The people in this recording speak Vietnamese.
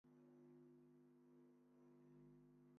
Nên bố em mới đặt lên xe